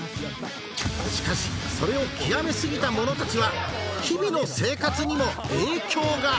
しかしそれを極めすぎた者たちは日々の生活にも影響が！